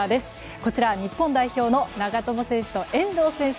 こちら日本代表の長友選手と遠藤選手。